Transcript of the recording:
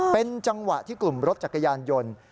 เป็นจังหวะที่กลุ่มรถจักรยานยนต์